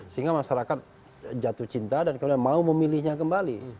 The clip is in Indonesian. sehingga masyarakat jatuh cinta dan kemudian mau memilihnya kembali